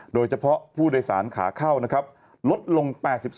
โดยเฉพาะผู้โดยสารขาเข้านะครับลดลง๘๒